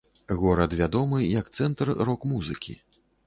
Горад вядомы як цэнтр рок-музыкі.